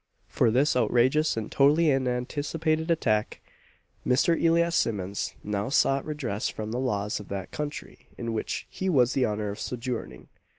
For this outrageous and totally unanticipated attack, Mr. Elias Simmons now sought redress from the laws of that country in which he has the honour of sojourning.